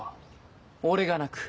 俺が鳴く。